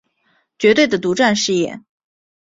绝对的独占事业